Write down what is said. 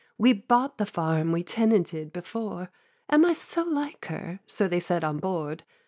We bought the farm we tenanted before. Am I so like her? so they said on board.